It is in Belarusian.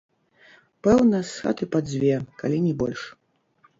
Пэўна, з хаты па дзве, калі не больш.